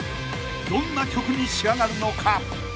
［どんな曲に仕上がるのか？］